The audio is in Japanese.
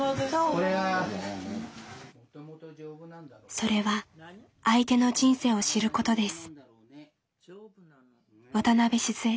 それは相手の人生を知ることです。